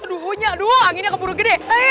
aduh hujan anginnya keburu gede